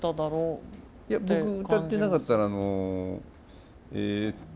いや僕歌ってなかったらあのえっと。